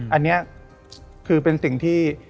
อันนี้คือเป็นสิ่งที่